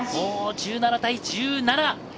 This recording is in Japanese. １７対１７。